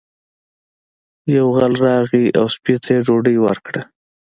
یو غل راغی او سپي ته یې ډوډۍ ورکړه.